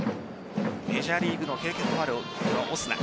メジャーリーグの経験もあるオスナ。